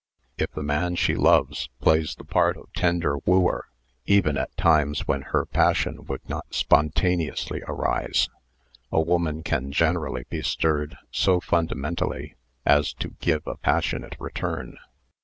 If the man she loves plays the part of tender wooer, even at times when her passion would not spontaneously arise, a woman can generally be stirred so fundamentally as to give a passionate return.